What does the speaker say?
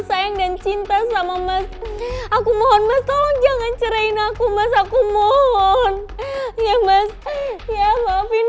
sayang dan cinta sama mas aku mohon mas tolong jangan cerahin aku mas aku mohon ya mas ya maafin